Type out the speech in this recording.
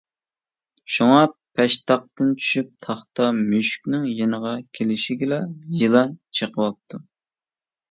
شۇڭا، پەشتاقتىن چۈشۈپ تاختا مۈشۈكنىڭ يېنىغا كېلىشىگىلا يىلان چېقىۋاپتۇ.